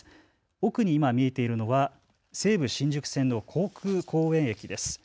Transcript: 奥に今、見えているのは西武新宿線の航空公園駅です。